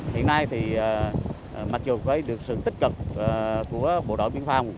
hiện nay mặt trường có được sự tích cực của bộ đội biên phòng